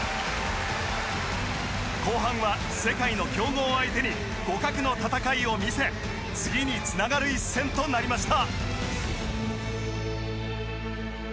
後半は世界の強豪相手に互角の戦いを見せ次につながる一戦となりました。